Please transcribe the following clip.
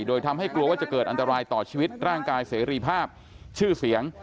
โดยทำให้กลัวว่าจะเกิดอันตรายต่อชีวิตร่างกายเสรีภาพชื่อเสียง